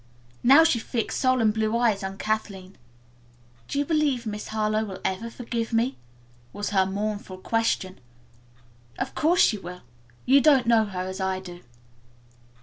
Now she fixed solemn blue eyes on Kathleen. "Do you believe Miss Harlowe will ever forgive me?" was her mournful question. "Of course she will. You don't know her as I do."